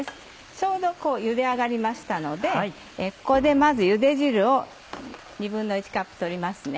ちょうどゆで上がりましたのでここでまずゆで汁を１／２カップ取ります。